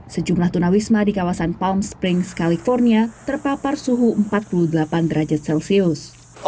sejumlah tunawisma di kawasan palm springs california terpapar suhu empat puluh delapan derajat celcius